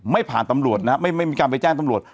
ไม่ผ่านตำรวจนะครับไม่มีการไปแจ้งตำรวจ